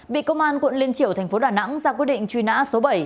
bị công an quận liên triểu thành phố đà nẵng ra quyết định truy nã số bảy